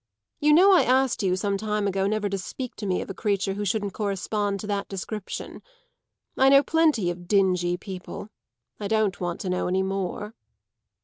You know I asked you some time ago never to speak to me of a creature who shouldn't correspond to that description. I know plenty of dingy people; I don't want to know any more."